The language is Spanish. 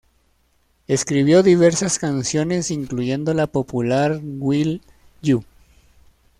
Escribió diversas canciones, incluyendo la popular "Will You?